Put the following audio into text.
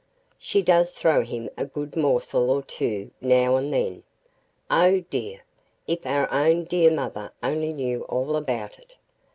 She does throw him a good morsel or two now and then. Oh dear! if our own dear mother only knew all about it!